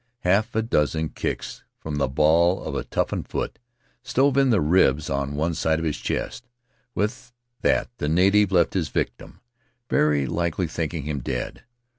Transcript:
Half a dozen kicks from the ball of a toughened foot stove in the ribs on one side of his chest; with that, the native left his victim, very likely thinking him dead.